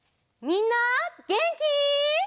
みんなげんき？